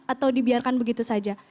atau dibiarkan begitu saja